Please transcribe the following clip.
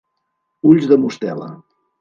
Ulls de mostela.